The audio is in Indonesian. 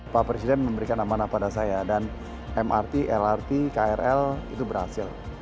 pak presiden memberikan amanah pada saya dan mrt lrt krl itu berhasil